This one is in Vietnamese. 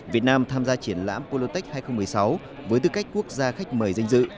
việt nam tham gia triển lãm poltech hai nghìn một mươi sáu với tư cách quốc gia khách mời danh dự